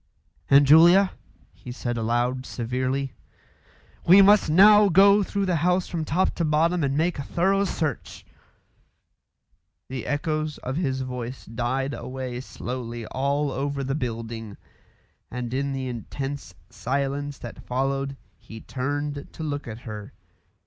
"Aunt Julia," he said aloud, severely, "we must now go through the house from top to bottom and make a thorough search." The echoes of his voice died away slowly all over the building, and in the intense silence that followed he turned to look at her.